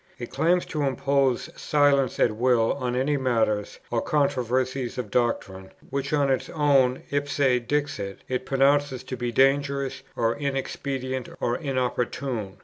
It claims to impose silence at will on any matters, or controversies, of doctrine, which on its own ipse dixit, it pronounces to be dangerous, or inexpedient, or inopportune.